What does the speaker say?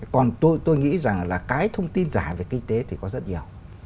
còn tôi nghĩ rằng là cái thông tin giả về kinh tế thì có rất nhiều